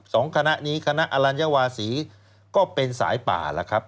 สองคณะนี้คณะอลัญวาศีก็เป็นสายป่าล่ะครับ